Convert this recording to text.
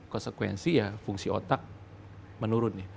konsekuensi ya fungsi otak menurun nih